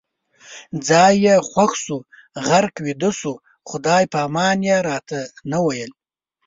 ځای یې خوښ شو، غرق ویده شو، خدای پامان یې راته نه ویل